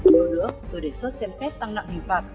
đôi nữa tôi đề xuất xem xét tăng nặng hình phạt